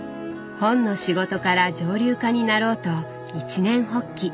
本の仕事から蒸留家になろうと一念発起。